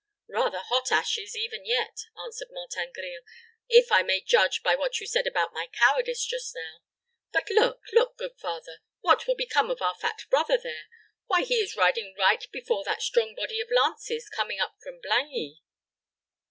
"Rather hot ashes, even yet," answered Martin Grille, "if I may judge by what you said about my cowardice just now. But look, look, good father. What will become of our fat brother there? Why he is riding right before that strong body of lances coming up from Blangy."